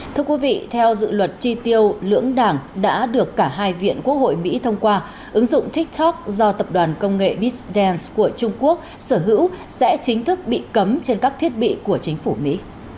thưa quý vị theo dự luật tri tiêu lưỡng đảng đã được cả hai viện quốc hội mỹ thông qua ứng dụng tiktok do tập đoàn công nghệ bis dance của trung quốc sở hữu sẽ chính thức bị cấm trên các thiết bị của chính phủ mỹ